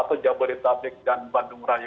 atau jabodetabek dan bandung raya